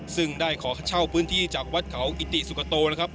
ซึ่งได้ขอเช่าพื้นที่จากวัดเขากิติสุขโตนะครับ